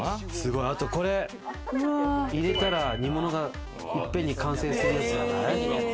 これ入れたら煮物が一遍に完成するやつじゃない。